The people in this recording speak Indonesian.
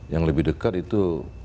yang lebih dekat itu